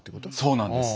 そうなんです。